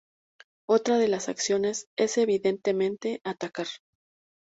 Otra de las acciones es, evidentemente, atacar.